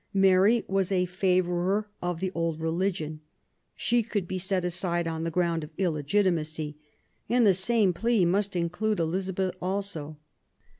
Mary was a favourer of the old religion. She could be set aside on the ground of illegitimacy, and the same plea must include Elizabeth also.